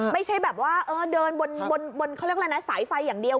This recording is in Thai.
ไม่ใช่แบบว่าเดินบนสายไฟอย่างเดียว